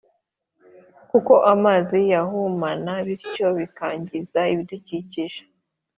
kuko amazi yahumana bityo bikangiza ibidukikije